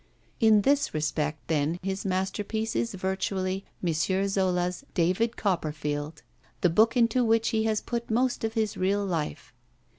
In this respect, then 'His Masterpiece' is virtually M. Zola's 'David Copperfield' the book into which he has put most of his real life.